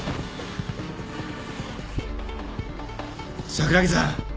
・桜木さん